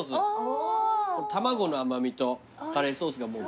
卵の甘味とカレーソースがもうばっちり。